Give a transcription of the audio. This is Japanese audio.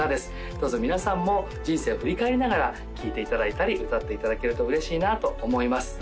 どうぞ皆さんも人生を振り返りながら聴いていただいたり歌っていただけると嬉しいなと思います